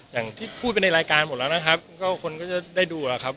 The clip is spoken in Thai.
อย่างที่พูดไปในรายการหมดแล้วนะครับก็คนก็จะได้ดูแล้วครับ